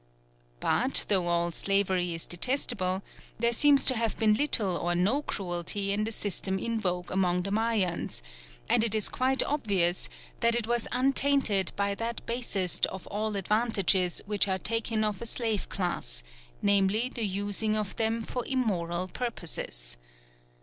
But though all slavery is detestable, there seems to have been little or no cruelty in the system in vogue among the Mayans, and it is quite obvious that it was untainted by that basest of all advantages which are taken of a slave class namely, the using of them for immoral purposes.